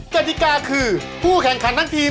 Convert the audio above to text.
กติกาคือผู้แข่งขันทั้งทีม